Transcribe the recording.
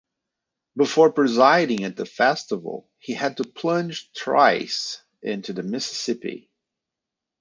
Before presiding at the festival he had to plunge thrice into the Mississippi.